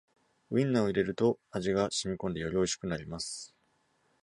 ウインナーを入れると味がしみこんでよりおいしくなります